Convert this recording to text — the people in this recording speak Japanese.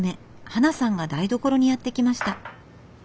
花さんが台所にやって来ました。